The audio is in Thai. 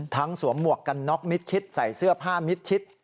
สวมหมวกกันน็อกมิดชิดใส่เสื้อผ้ามิดชิด